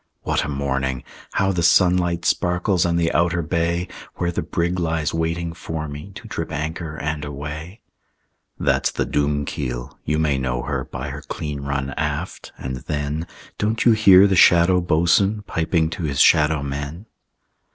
What a morning! How the sunlight Sparkles on the outer bay, Where the brig lies waiting for me To trip anchor and away! That's the Doomkeel. You may know her By her clean run aft; and, then, Don't you hear the Shadow Boatswain Piping to his shadow men?